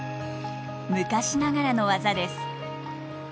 昔ながらの技です。